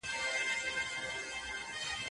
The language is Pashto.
غر او سمه د سركښو اولسونو